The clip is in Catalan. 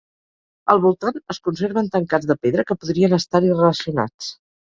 Al voltant es conserven tancats de pedra que podrien estar-hi relacionats.